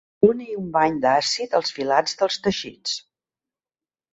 Doni un bany d'àcid als filats dels teixits.